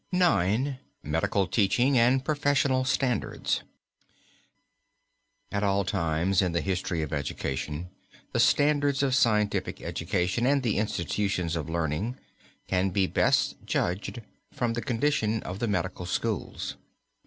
IX. MEDICAL TEACHING AND PROFESSIONAL STANDARDS. At all times in the history of education, the standards of scientific education, and the institutions of learning, can be best judged from the condition of the medical schools.